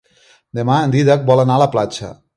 Demà en Dídac vol anar a la platja.